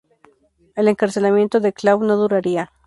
El encarcelamiento de Klaw no duraría.